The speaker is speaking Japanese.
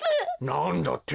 なんだって？